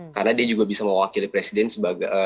karena dia juga bisa mewakili presiden sebagai